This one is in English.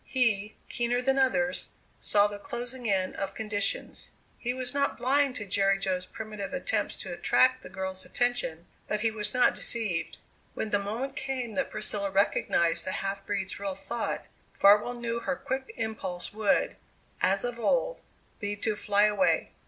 He, keener than others, saw the closing in of conditions. He was not blind to Jerry Jo's primitive attempts to attract the girl's attention, but he was not deceived. When the moment came that Priscilla recognized the half breed's real thought, Farwell knew her quick impulse would, as of old, be to fly away.